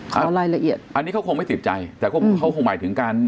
เขารายละเอียดอันนี้เขาคงไม่ติดใจแต่ก็เขาคงหมายถึงการ